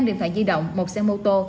năm điện thoại di động một xe mô tô